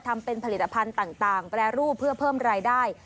ทำเป็นผลิตภัณฑ์ต่างแปรรูปเพื่อเพิ่มรายได้